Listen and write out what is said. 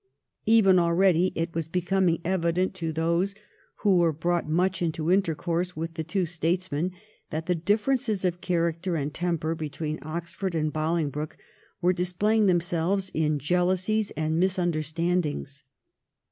Even already it was becoming evident to those who were brought much into intercourse with the two statesmen that the differences of character and temper between Oxford and Bohngbroke were dis playing themselves in jealousies and misunderstand ings.